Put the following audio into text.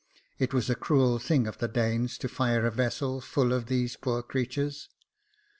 It was a cruel thing of the Danes to fire a vessel full of these poor creatures.